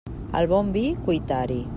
Al bon vi, cuitar-hi.